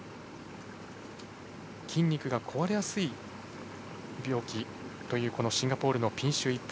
筋肉が壊れやすい病気というシンガポールのピンシュー・イップ。